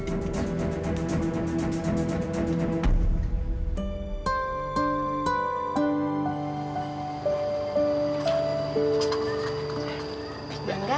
wah lumayan nih gue jual